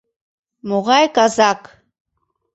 — Могай казак...